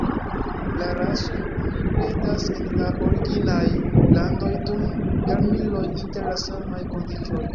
La rason oni bredas en la originaj landoj dum jarmiloj inter la samaj kondiĉoj.